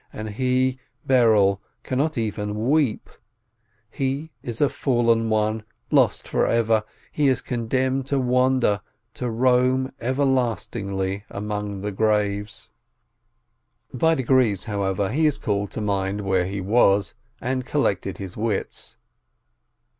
And he, Berel, cannot even weep, he is a fallen one, lost forever — he is condemned to wander, to roam everlastingly among the graves. 202 UOSENTHAL By degrees, however, he called to mind where he was, and collected his wits.